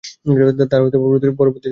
তারা পরবর্তীতে শপথ নেয়।